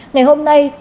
ngày hôm nay